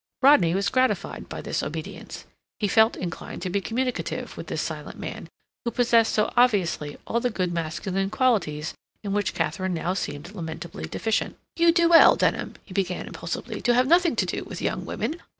Rodney was gratified by this obedience. He felt inclined to be communicative with this silent man, who possessed so obviously all the good masculine qualities in which Katharine now seemed lamentably deficient. "You do well, Denham," he began impulsively, "to have nothing to do with young women.